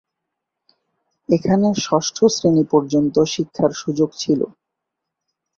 এখানে ষষ্ঠ শ্রেণি পর্যন্ত শিক্ষার সুযোগ ছিল।